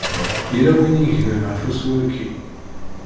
Yella win i yegnen ɣef ussu-yaki.